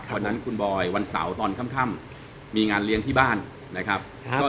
วันนั้นคุณบอยวันเสาร์ตอนค่ำมีงานเลี้ยงที่บ้านนะครับ